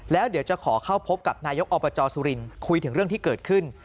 แล้วเดี๋ยวจะขอเข้าพบกับนายกอบจสุรินทร์คุยถึงเรื่องที่เกิดขึ้น